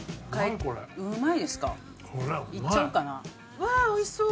うわーおいしそう！